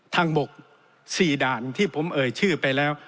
ทางบก๔ด่านที่ผมเอ่ยชื่อไปแล้ว